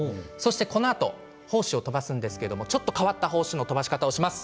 このあと胞子を飛ばすんですけれどちょっと変わった胞子の飛ばし方をします。